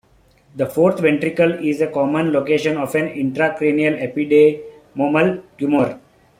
The fourth ventricle is a common location of an intracranial ependymomal tumour.